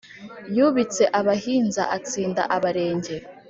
Yubitse abahinza atsinda Abarenge